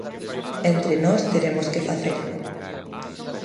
Entre nós teremos que facelo.